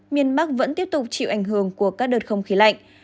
miền bắc vẫn tiếp tục chịu ảnh hưởng của các đợt không khí lạnh